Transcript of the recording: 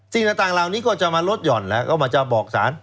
สิ่งต่างเหล่านี้ก็จะมาลดหย่อนแล้วก็มาจะบอกสาร